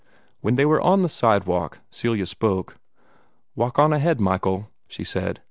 When they were on the sidewalk, Celia spoke: "Walk on ahead, Michael!" she said.